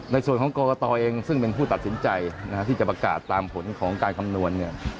ในส่วนของกรกตเองซึ่งเป็นผู้ตัดสินใจที่จะประกาศตามผลของการคำนวณเนี่ย